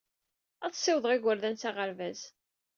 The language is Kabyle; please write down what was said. Ad ssiwḍeɣ igerdan s aɣerbaz.